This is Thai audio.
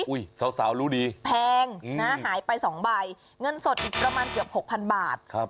สาวรู้ดีแพงนะหายไป๒ใบเงินสดอีกประมาณเกือบหกพันบาทครับ